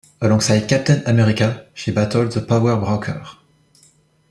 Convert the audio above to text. Alongside Captain America, she battled the Power Broker.